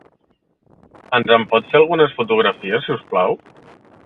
Ens en pot enviar algunes fotografies, si us plau?